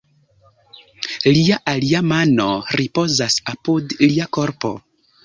Lia alia mano ripozas apud lia korpo.